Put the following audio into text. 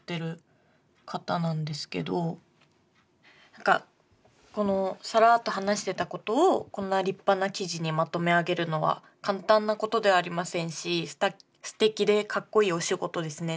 何かこの「サラーっと話してたことをこんな立派な記事にまとめあげるのは簡単なことではありませんし素敵でカッコイイお仕事ですね」